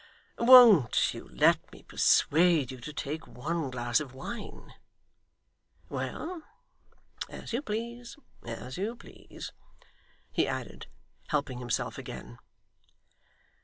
WON'T you let me persuade you to take one glass of wine? Well! as you please, as you please,' he added, helping himself again.